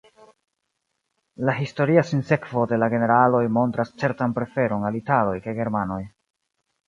La historia sinsekvo de la generaloj montras certan preferon al italoj kaj germanoj.